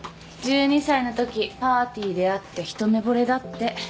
１２歳のときパーティーで会って一目ぼれだって。